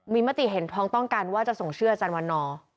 มีมติเห็นพ้องต้องกันว่าจะส่งเชื่ออาจารย์วันนอร์